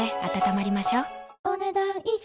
お、ねだん以上。